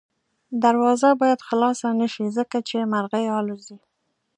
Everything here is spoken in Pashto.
دروازه باید خلاصه نه شي ځکه چې مرغۍ الوځي.